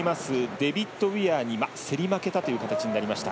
デビッド・ウィアーに競り負けたという形になりました。